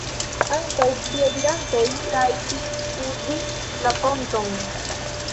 Ankaŭ piedirantoj rajtis uzi la ponton.